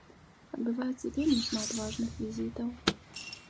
Адбываецца вельмі шмат важных візітаў.